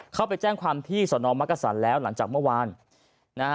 เข้าไปแจ้งความที่สมลแล้วหลังจากเมื่อวาน